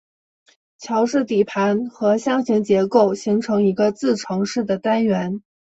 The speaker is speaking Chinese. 桥式底盘和箱形结构形成一个自承式的单元。